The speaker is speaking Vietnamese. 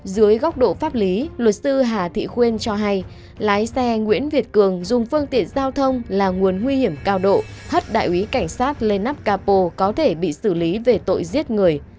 dưới góc độ pháp lý luật sư hà thị khuyên cho hay lái xe nguyễn việt cường dùng phương tiện giao thông là nguồn nguy hiểm cao độ h đại úy cảnh sát lên nắp capo có thể bị xử lý về tội giết người